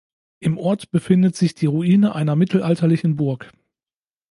Im Ort befindet sich die Ruine einer mittelalterlichen Burg.